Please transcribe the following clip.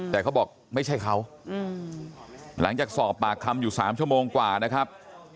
แต่เขาบอกไม่ใช่เขาหลังจากสอบปากคำอยู่๓ชั่วโมงกว่านะครับ